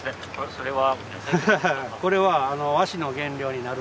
それは？